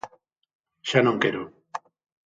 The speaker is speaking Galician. Xa non quero.